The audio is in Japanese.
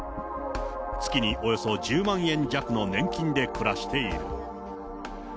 月におよそ１０万円弱の年金で暮らしている。